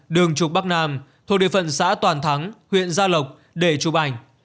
đường trục bắc nam thuộc địa phận xã toàn thắng huyện gia lộc để chụp ảnh